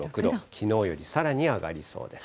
きのうよりさらに上がりそうです。